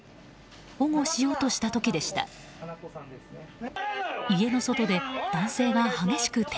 保護しようとした時でした。